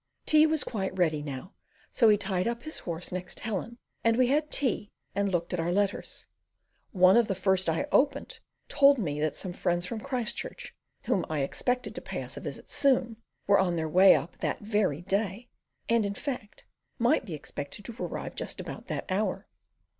Tea was quite ready now; so he tied up his horse next Helen, and we had tea and looked at our letters. One of the first I opened told me that some friends from Christchurch, whom I expected to pay us a visit soon, were on their way up that very day, and in fact might be expected to arrive just about that hour.